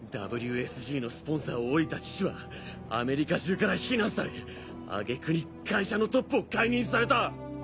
ＷＳＧのスポンサーを降りた父はアメリカ中から非難され揚げ句に会社のトップを解任された。